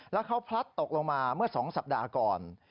แล้วเขาพลัดตกลงมาเมื่อ๒สัปดาห์ก่อน